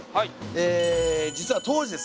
え実は当時ですね